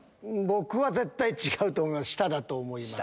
僕は絶対違う下だと思います。